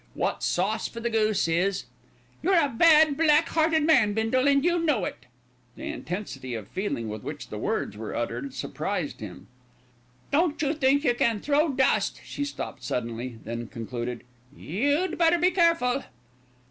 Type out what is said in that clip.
Wot's sauce for the goose is " "You're a bad, black hearted man, Bindle, and you know it." The intensity of feeling with which the words were uttered surprised him. "Don't you think you can throw dust " She stopped suddenly, then concluded, "You'd better be careful."